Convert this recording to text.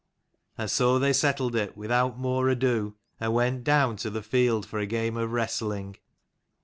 And so they settled it, without more ado, and went down to the field for a game of wrestling.